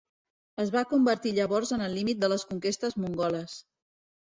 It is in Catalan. Es va convertir llavors en el límit de les conquestes mongoles.